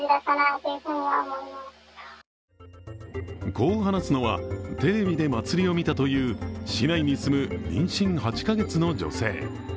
こう話すのは、テレビで祭りを見たという市内に住む妊娠８カ月の女性。